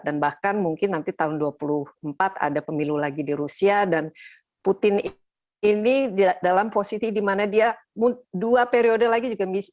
dan bahkan mungkin nanti tahun dua ribu dua puluh empat ada pemilu lagi di rusia dan putin ini dalam posisi di mana dia dua periode lagi juga bisa menjadi